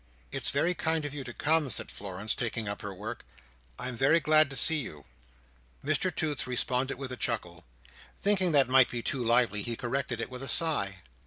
"It's very kind of you to come," said Florence, taking up her work, "I am very glad to see you." Mr Toots responded with a chuckle. Thinking that might be too lively, he corrected it with a sigh.